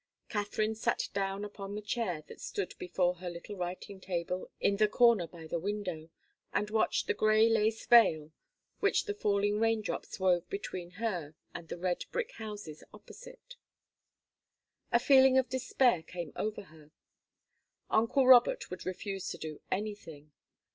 Katharine sat down upon the chair that stood before her little writing table in the corner by the window, and watched the grey lace veil which the falling raindrops wove between her and the red brick houses opposite. A feeling of despair came over her. Uncle Robert would refuse to do anything.